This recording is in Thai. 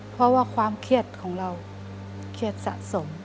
เพราะว่าความเครียดของเราเครียดสะสม